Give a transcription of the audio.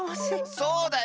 そうだよ！